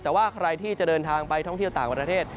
แต่ว่าใครที่จะเดินทางไปท่องเที่ยวต่างประเทศ